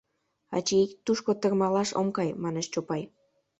— Ачий, тушко тырмалаш ом кай, — манеш Чопай.